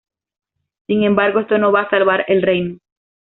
Sin embargo, esto no va a salvar el reino.